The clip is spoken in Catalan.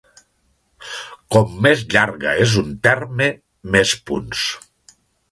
Com més llarga és un terme, més punts.